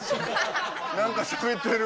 何かしゃべってる。